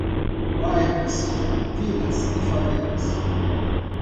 Bairros, vilas e favelas